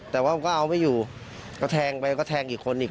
แต่ว่ามันก็เอาไม่อยู่ก็แทงไปก็แทงอีกคนอีก